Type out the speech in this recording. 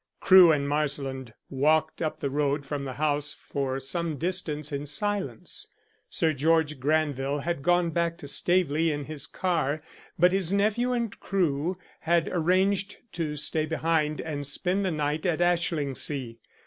Crewe and Marsland walked up the road from the house for some distance in silence. Sir George Granville had gone back to Staveley in his car, but his nephew and Crewe had arranged to stay behind and spend the night at Ashlingsea.